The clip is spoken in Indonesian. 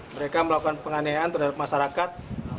mereka melakukan penganiayaan terhadap masyarakat